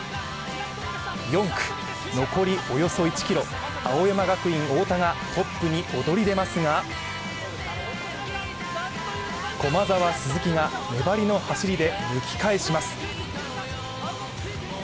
４区、残りおよそ１ｋｍ青山学院・太田がトップに躍り出ますが駒澤・鈴木が粘りの走りで抜き返します。